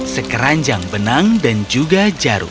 sekeranjang benang dan juga jarum